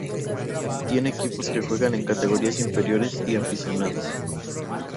Tiene equipos que juegan en categorías inferiores y aficionados.